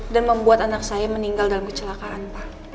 dan membuat anak saya meninggal dalam kecelakaan pak